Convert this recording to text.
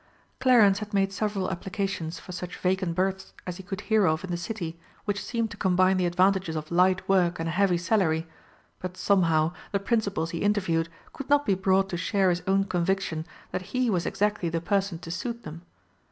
Clarence had made several applications for such vacant berths as he could hear of in the City which seemed to combine the advantages of light work and a heavy salary, but somehow the principals he interviewed could not be brought to share his own conviction that he was exactly the person to suit them.